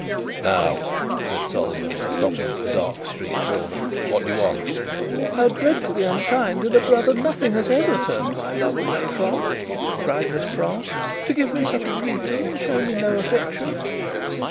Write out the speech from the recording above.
"Now," said Solomon, stopping at the dark street corner, "what do you want?" "How dreadfully unkind in a brother nothing has ever turned my love away from!" cried Miss Pross, "to give me such a greeting, and show me no affection."